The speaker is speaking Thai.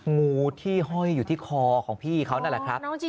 งูที่ห้อยอยู่ที่คอของพี่เขานั่นแหละครับ